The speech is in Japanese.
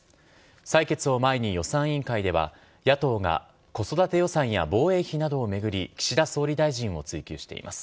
採決を前に予算委員会では、野党が子育て予算や防衛費などを巡り岸田総理大臣を追及しています。